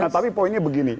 nah tapi poinnya begini